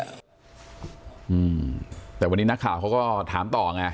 อืมแต่วันนี้นักข่าวเขาก็ถามต่อไง